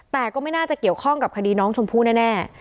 แต่ก็ไม่น่าจะเกี่ยวข้องกับคดีน้องชมพู่แน่